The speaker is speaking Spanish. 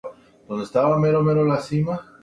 Es el extremo noroccidental del golfo de Túnez.